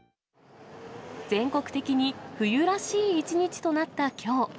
全国的に冬らしい一日となったきょう。